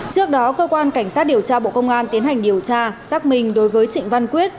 trước đó cơ quan cảnh sát điều tra bộ công an tiến hành điều tra xác minh đối với trịnh văn quyết